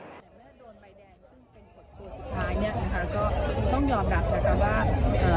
อย่างเมื่อโดนใบแดงซึ่งเป็นกฎตัวสุดท้ายเนี้ยนะคะก็ต้องยอมรับนะคะว่าอ่า